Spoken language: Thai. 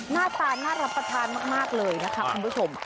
หน้าตาน่ารับประทานมากเลยนะคะคุณผู้ชม